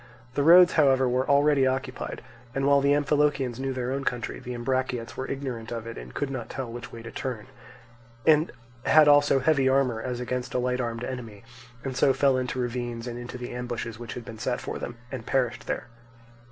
The roads, however, were already occupied, and while the Amphilochians knew their own country, the Ambraciots were ignorant of it and could not tell which way to turn, and had also heavy armour as against a light armed enemy, and so fell into ravines and into the ambushes which had been set for them, and perished there.